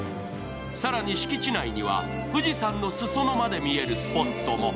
更に、敷地内には富士山の裾野まで見えるスポットも。